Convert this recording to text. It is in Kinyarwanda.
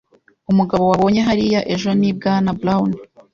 Umugabo wabonye hariya ejo ni Bwana Brown.